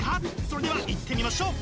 それではいってみましょう！